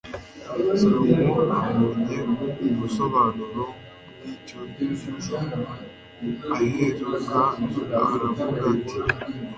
salomo abonye ubusobanuro bw'icyo gicu aherako aravuga ati